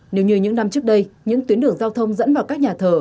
nếu như những năm trước đây những tuyến đường giao thông dẫn vào các nhà thờ